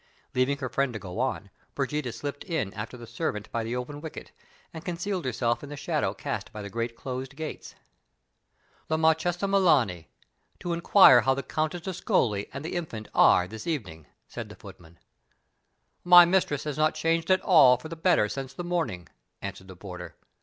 Leaving her friend to go on, Brigida slipped in after the servant by the open wicket, and concealed herself in the shadow cast by the great closed gates. "The Marchesa Melani, to inquire how the Countess d'Ascoli and the infant are this evening," said the footman. "My mistress has not changed at all for the better since the morning," answered the porter.